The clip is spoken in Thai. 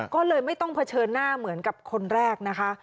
ก็เลยไม่ต้องเผชิญหน้าเหมือนกับคนแรกนะคะ